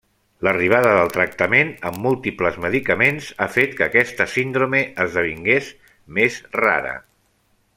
L'arribada del tractament amb múltiples medicaments ha fet que aquesta síndrome esdevingués més rara.